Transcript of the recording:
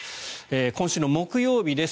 今週の木曜日です。